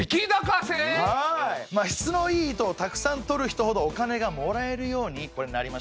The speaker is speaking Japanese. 質のいい糸をたくさんとる人ほどお金がもらえるようにこれなりました。